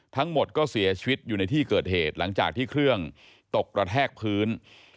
ทั้งหมดก็เสียชีวิตอยู่ในที่เกิดเหตุหลังจากที่เครื่องตกกระแทกพื้น